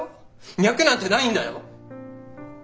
脈なんてないんだよ。